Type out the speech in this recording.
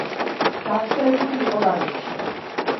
გავრცელებული იყო ლაზეთში.